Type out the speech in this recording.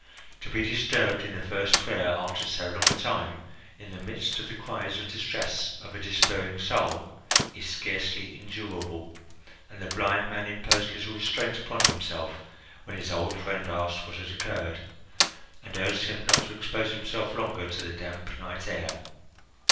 To be disturbed in the first prayer after so long a time, in the midst of the cries of distress of a despairing soul, is scarcely endurable, and the blind man imposed little restraint upon himself when his old friend asked what had occurred, and urged him not to expose himself longer to the damp night air.